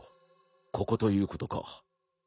ここということか。